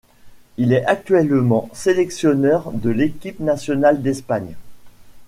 Il est l'actuel sélectionneur de l'équipe nationale d'Espagne.